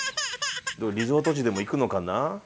リゾート地でも行くのかな？